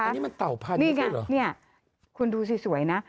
แบบนี้มันเต่าพันธุ์ด้วยหรอนี่ไงคุณดูซิสวยนะ